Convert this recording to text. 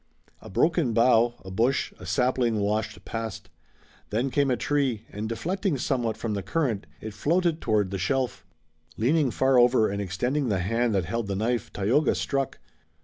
A broken bough, a bush and a sapling washed past. Then came a tree, and deflecting somewhat from the current it floated toward the shelf. Leaning far over and extending the hand that held the knife, Tayoga struck.